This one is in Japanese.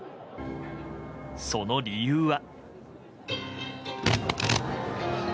その理由は。